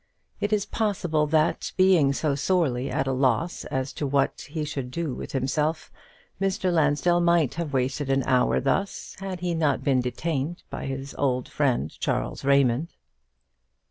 It is possible that, being so sorely at a loss as to what he should do with himself, Mr. Lansdell might have wasted an hour thus, had he not been detained by his old friend Charles Raymond.